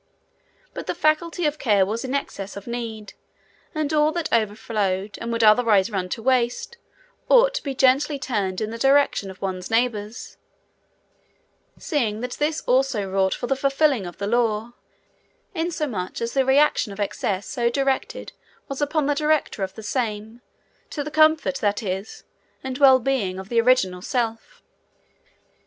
But the faculty of care was in excess of need, and all that overflowed, and would otherwise run to waste, ought to be gently turned in the direction of one's neighbour, seeing that this also wrought for the fulfilling of the law, inasmuch as the reaction of excess so directed was upon the director of the same, to the comfort, that is, and well being of the original self.